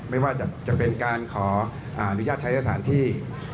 ไม่ว่าจะเป็นการขออนุญาตใช้สถานที่